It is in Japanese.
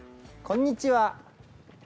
こんにちは。